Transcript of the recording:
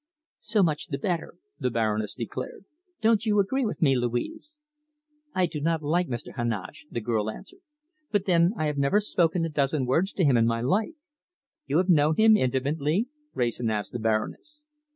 "So much the better," the Baroness declared. "Don't you agree with me, Louise?" "I do not like Mr. Heneage," the girl answered. "But then, I have never spoken a dozen words to him in my life." "You have known him intimately?" Wrayson asked the Baroness.